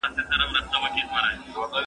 کېدای سي بازار ګڼه وي!